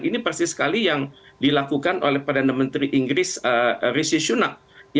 ini persis sekali yang dilakukan oleh perdana menteri inggris rishi sunak